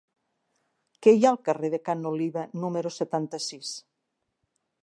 Què hi ha al carrer de Ca n'Oliva número setanta-sis?